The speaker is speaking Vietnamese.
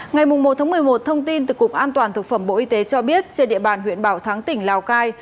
ngày một một mươi một thông tin từ cục an toàn thực phẩm bộ y tế cho biết trên địa bàn huyện bảo thắng tỉnh lào cai